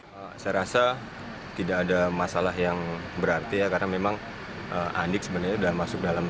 saya rasa tidak ada masalah yang berarti ya karena memang andik sebenarnya sudah masuk dalam